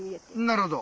なるほど。